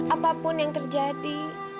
apapun yang terjadi